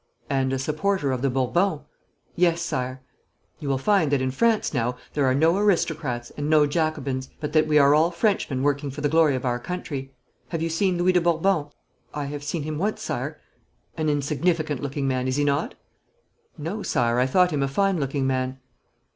'And a supporter of the Bourbons?' 'Yes, Sire.' 'You will find that in France now there are no aristocrats and no Jacobins; but that we are all Frenchmen working for the glory of our country. Have you seen Louis de Bourbon?' 'I have seen him once, Sire.' 'An insignificant looking man, is he not?' 'No, Sire, I thought him a fine looking man.'